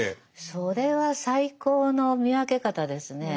それは最高の見分け方ですねえ。